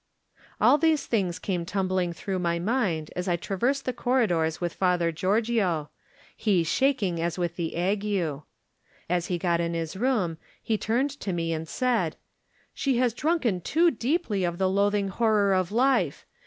All these things came timibling through my mind as I traversed the corridors with Father Giorgio, he shaking as with the ague. As he got in his room he turned to me and said: "She has drunken too deeply of the loathing horror of life.